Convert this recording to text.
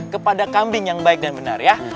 kepada kambing yang baik dan benar ya